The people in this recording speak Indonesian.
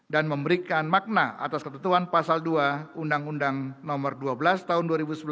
dan memberikan makna atas ketentuan pasal ii undang undang no dua belas tahun dua ribu sebelas